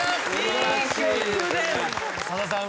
さださん。